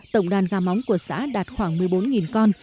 tổng đàn gà móng của xã đạt khoảng một mươi bốn con